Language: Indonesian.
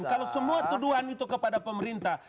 kalau semua tuduhan itu kepada pemerintah